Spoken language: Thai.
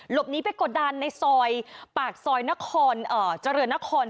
หลบหนีไปกดดันในซอยปากซอยจริยนคร๔๐